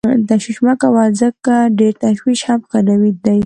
تشویش مه کوه ځکه ډېر تشویش هم ښه نه دی.